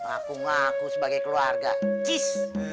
aku ngaku sebagai keluarga cis